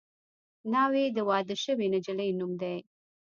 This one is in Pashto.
ناوې د واده شوې نجلۍ نوم دی